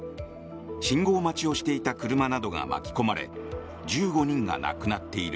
信号待ちをしていた車などが巻き込まれ１５人が亡くなっている。